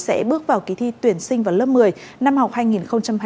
sẽ bước vào kỳ thi tuyển sinh vào lớp một mươi năm học hai nghìn hai mươi hai nghìn hai mươi một